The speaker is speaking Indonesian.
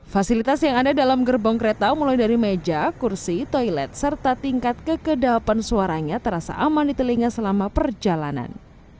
fasilitas yang ada dalam gerbong kereta mulai dari meja kursi toilet serta tingkat kekedahapan suaranya terasa aman di telinga selama perjalanan